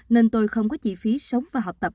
nên tôi không có chi phí sống và học tập